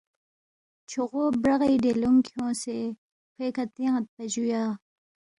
چھوغو برَغی ڈلیُونگ کھیونگسے کھوے کھہ تیان٘یدپا جُویا